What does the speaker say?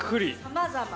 さまざま。